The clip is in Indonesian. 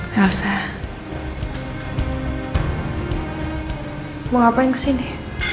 rielsa mau ngapain kesini